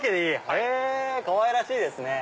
かわいらしいですね！